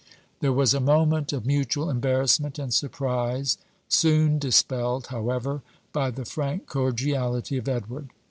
There was a moment of mutual embarrassment and surprise, soon dispelled, however, by the frank cordiality of Edward.